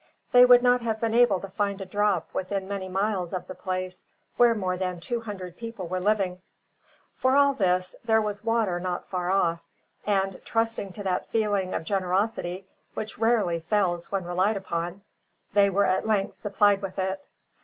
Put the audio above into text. They would not have been able to find a drop within many miles of the place where more than two hundred people were living. For all this, there was water not far off; and, trusting to that feeling of generosity which rarely fails when relied upon, they were at length supplied with it.